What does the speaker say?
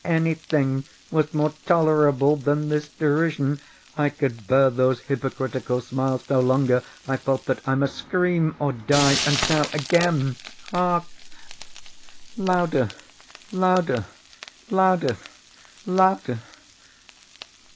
Anything was more tolerable than this derision! I could bear those hypocritical smiles no longer! I felt that I must scream or die! and now—again!—hark! louder! louder! louder! _louder!